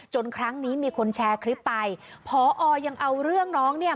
ครั้งนี้มีคนแชร์คลิปไปพอยังเอาเรื่องน้องเนี่ย